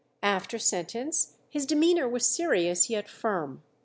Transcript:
After sentence his demeanour was serious yet firm.